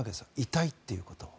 痛いっていうことを。